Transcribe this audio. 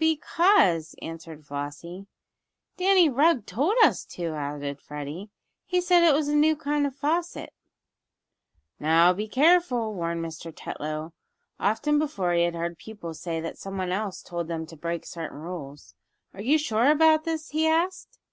"Because," answered Flossie. "Danny Rugg told us to," added Freddie. "He said it was a new kind of faucet." "Now be careful," warned Mr. Tetlow. Often before he had heard pupils say that someone else told them to break certain rules. "Are you sure about this?" he asked.